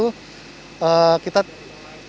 kita bisa melihat sungainya itu terpolusi oleh libur